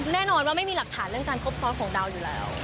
แน่นอนว่าไม่มีหลักฐานเรื่องการครบซ้อนของดาวอยู่แล้ว